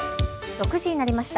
６時になりました。